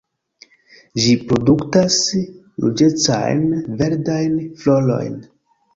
Ĝi produktas ruĝecajn verdajn florojn.